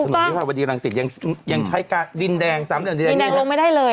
อธิบายวัดีแรงศิริยังใช้การดินแดงดินแดงลงไม่ได้เลย